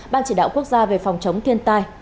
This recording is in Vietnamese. bản chỉ đạo quốc gia về phòng chống thiên nhiên